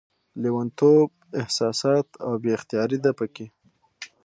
لېونتوب، احساسات او بې اختياري ده پکې